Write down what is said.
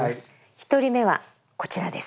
１人目はこちらです。